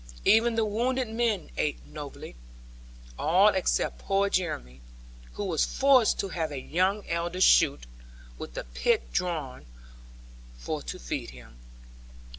Even the wounded men ate nobly; all except poor Jeremy, who was forced to have a young elder shoot, with the pith drawn, for to feed him.